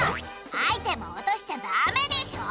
アイテム落としちゃダメでしょ！